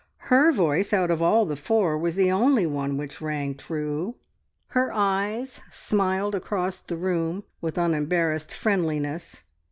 Her voice out of all the four was the only one which rang true; her eyes smiled across the room with unembarrassed friendliness.